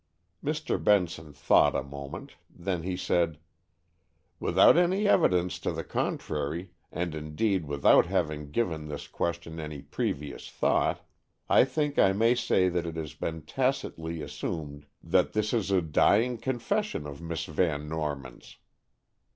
Mr. Benson thought a moment, then he said: "Without any evidence to the contrary, and indeed without having given this question any previous thought, I think I may say that it has been tacitly assumed that this is a dying confession of Miss Van Norman's."